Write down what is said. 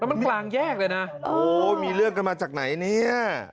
มันกลางแยกเลยนะโอ้มีเรื่องกันมาจากไหนเนี่ย